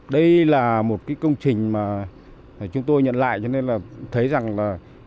đây là một cái công trình mà chúng tôi nhận lại cho nên là thấy rằng là